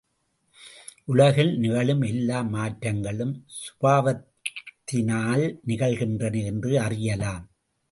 உலகில் நிகழும் எல்லா மாற்றங்களும் சுபாவத்தினால் நிகழ்கின்றன என்று அறியலாம்.